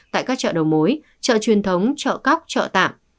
tại các chợ đầu mối chợ truyền thống chợ cóc chợ tạm